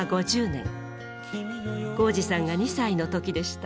宏司さんが２歳の時でした。